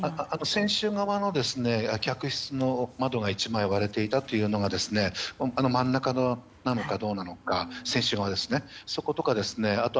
船主側の客室の窓が１枚割れていたというのが真ん中なのかどうなのか。